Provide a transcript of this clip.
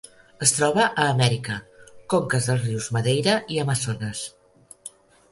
Es troba a Amèrica: conques dels rius Madeira i Amazones.